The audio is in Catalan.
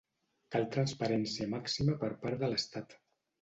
Cal transparència màxima per part de l’estat.